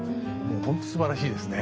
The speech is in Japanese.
本当すばらしいですね。